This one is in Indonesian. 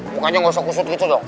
bukannya gausah kusut gitu dong